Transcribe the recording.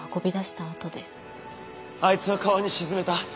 あいつは川に沈めた。